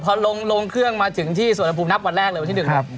พอลงเครื่องมาถึงที่สวนภูมินับวันแรกเลยวันที่หนึ่ง